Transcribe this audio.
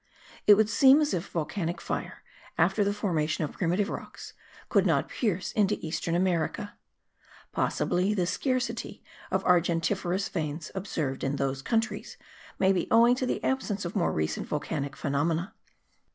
It would seem as if volcanic fire, after the formation of primitive rocks, could not pierce into eastern America. Possibly the scarcity of argentiferous veins observed in those countries may be owing to the absence of more recent volcanic phenomena.